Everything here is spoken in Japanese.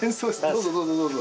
どうぞどうぞどうぞ。